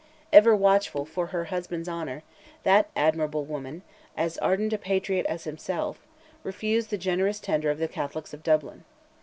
Ever watchful for her husband's honour, that admirable woman, as ardent a patriot as himself, refused the generous tender of the Catholics of Dublin.